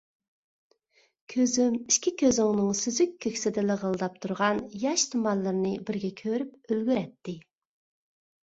كۆزۈم ئىككى كۆزۈڭنىڭ سۈزۈك كۆكسىدە لىغىلداپ تۇرغان ياش تۇمانلىرىنى بىرگە كۆرۈپ ئۈلگۈرەتتى.